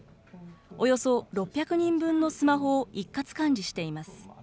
およそ６００人分のスマホを一括管理しています。